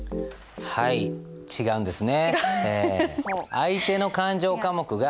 はい違うんですね。